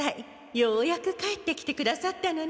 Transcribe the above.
ようやく帰ってきてくださったのね。